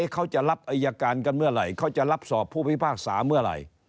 เขาจะรับอายการกันเมื่อไหร่เขาจะรับสอบผู้พิพากษาเมื่อไหร่